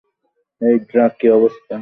হেই, Drac, কী অবস্থা?